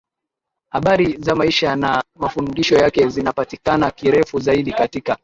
Habari za maisha na mafundisho yake zinapatikana kirefu zaidi katika